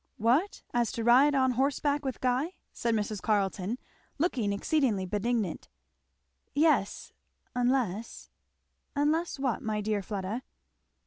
"What, as to ride on horseback with Guy?" said Mrs. Carleton looking exceedingly benignant. "Yes, unless " "Unless what, my dear Fleda?"